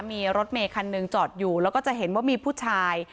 มีรถเมย์คันหนึ่งจอดอยู่แล้วก็จะเห็นว่ามีผู้ชาย